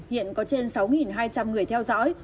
hiện có trên sáu hai trăm linh người theo dõi